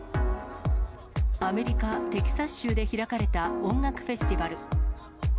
アメリカ・テキサス州で開かれた音楽フェスティバル。